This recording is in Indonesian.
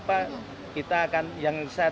pak kalau begitu berarti